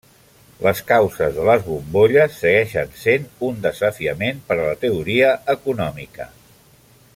Les causes de les bombolles segueixen sent un desafiament per a la teoria econòmica.